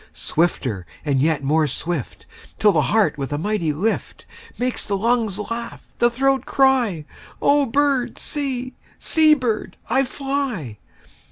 Swifter and yet more swift, 5 Till the heart with a mighty lift Makes the lungs laugh, the throat cry:— 'O bird, see; see, bird, I fly.